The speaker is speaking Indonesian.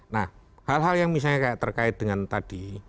nah hal hal yang misalnya kayak terkait dengan tadi